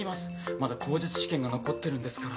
まだ口述試験が残ってるんですから。